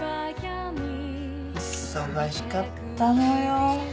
忙しかったのよ。